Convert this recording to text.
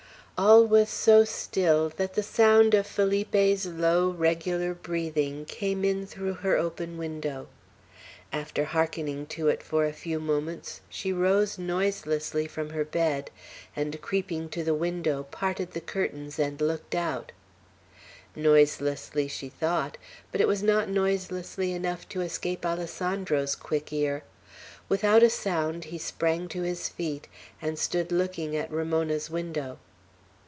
All was so still that the sound of Felipe's low, regular breathing came in through her open window. After hearkening to it for a few moments, she rose noiselessly from her bed, and creeping to the window parted the curtains and looked out; noiselessly, she thought; but it was not noiselessly enough to escape Alessandro's quick ear; without a sound, he sprang to his feet, and stood looking at Ramona's window.